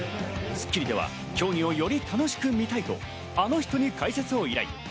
『スッキリ』では競技をより楽しく見たいと、あの人に解説を依頼。